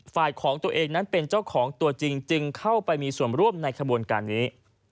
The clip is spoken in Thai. ของตัวเองนั้นเป็นเจ้าของตัวจริงจึงเข้าไปมีส่วนร่วมในขบวนการนี้